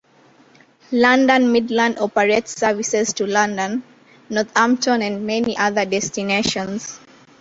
London Midland operates services to London, Northampton and many other destinations.